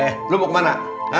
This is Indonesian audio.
eh lu mau kemana